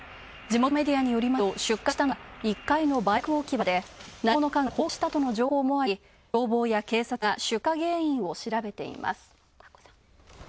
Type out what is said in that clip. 地元メディアによりますと、出火したのは１階のバイク置き場で何者かが放火したとの情報もあり消防や警察が出火原因を調べています。